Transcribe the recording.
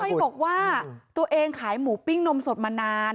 บอกว่าตัวเองขายหมูปิ้งนมสดมานาน